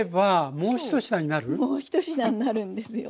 もう１品になるんですよ。